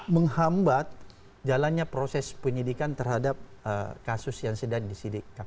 menghambat jalannya proses penyidikan terhadap kasus yang sedang disidik